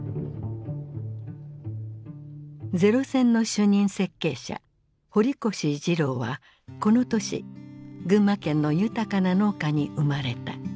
零戦の主任設計者堀越二郎はこの年群馬県の豊かな農家に生まれた。